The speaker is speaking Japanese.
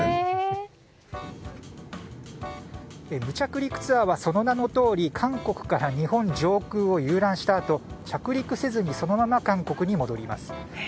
無着陸ツアーはその名のとおり韓国から日本上空を遊覧したあと着陸せずにそのまま韓国に戻ります。